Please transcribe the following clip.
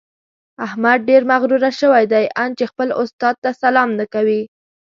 احمد ډېر مغروره شوی دی؛ ان چې خپل استاد ته سلام نه کوي.